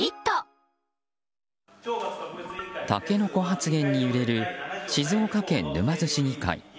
タケノコ発言に揺れる静岡県沼津市議会。